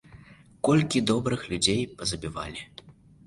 Колькі добрых людзей пазабівалі!